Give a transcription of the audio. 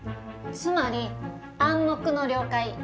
つまり「暗黙の了解」ね。